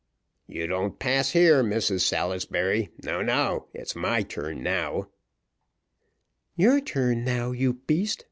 "You don't pass here, Mrs Salisbury. No no it's my turn now." "Your turn now, you beast!"